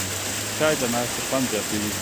چای د ناستې خوند زیاتوي